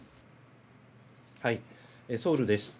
ソウルです。